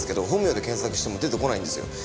本名で検索しても出てこないんですよ。